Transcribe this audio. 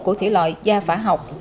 của thủy loại gia phả học